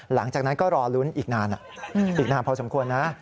หลังจากนั้นก็รอลุ้นอีกนานอีกนานพอสมควรนะ